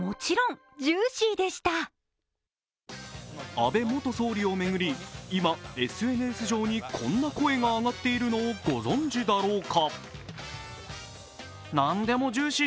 安倍元総理を巡り、今ＳＮＳ上にこんな声が上がっているのをご存じだろうか？